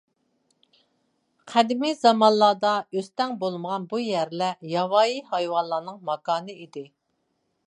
قەدىمىي زامانلاردا ئۆستەڭ بولمىغان بۇ يەرلەر ياۋايى ھايۋانلارنىڭ ماكانى ئىدى.